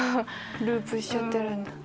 ループしちゃってるんだ。